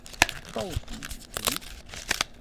都是如此。